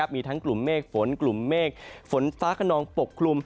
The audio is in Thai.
มีทั้งกลุ่มเมฆฝนกลุ่มเมฆฝนฟ้าขนองปกคลุม